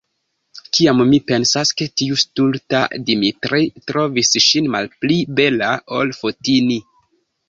Kiam mi pensas, ke tiu stulta Dimitri trovis ŝin malpli bela, ol Fotini'n!